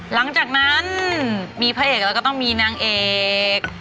หลังจากนั้นมีพระเอกแล้วก็ต้องมีนางเอก